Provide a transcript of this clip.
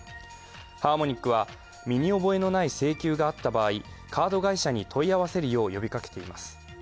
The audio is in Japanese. ハーモニックは身に覚えのない請求があった場合、カード会社に問い合わせるよう呼びかけています。